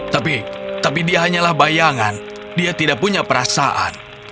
tapi tapi dia hanyalah bayangan dia tidak punya perasaan